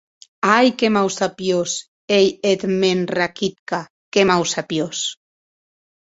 Ai, qué mausapiós ei eth mèn Rakitka, qué mausapiós!